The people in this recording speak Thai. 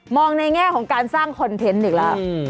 ในแง่ของการสร้างคอนเทนต์อีกแล้ว